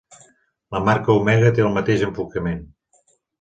La marca Omega té el mateix enfocament.